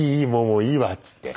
もういいわっつって。